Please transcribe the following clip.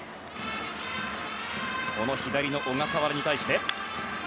この左の小笠原に対して。